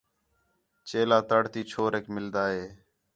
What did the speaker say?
چیلا تڑ تی چھوریک مِلدا ہِے